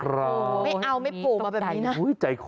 ไม่เอาไม่โผล่มาแบบนี้นะ